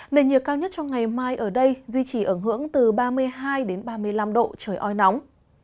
nền nhiệt cao nhất trong ngày mai ở đây duy trì ở ngưỡng từ ba mươi hai ba mươi năm độ trời oi nóng